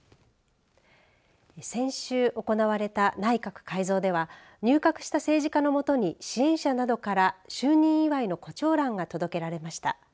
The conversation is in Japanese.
先週行われた内閣改造では入閣した政治家のもとに支援者などから就任祝いのコチョウランが届けられました。